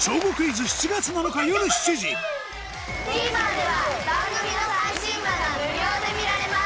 ＴＶｅｒでは番組の最新話が無料で見られます。